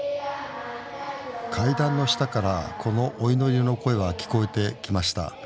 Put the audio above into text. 階段の下からこのお祈りの声が聞こえてきました。